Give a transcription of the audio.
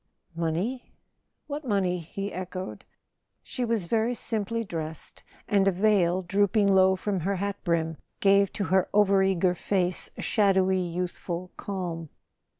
"Money? What money?" he echoed. She was very simply dressed, and a veil, drooping low from her hat brim, gave to her over eager face a shadowy youthful calm.